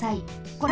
これ。